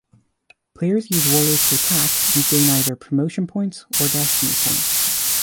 Players use warriors to attack and gain either Promotion Points or Destiny Points.